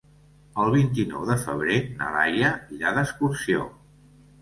El vint-i-nou de febrer na Laia irà d'excursió.